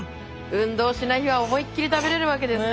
運動しない日は思いっきり食べれるわけですね。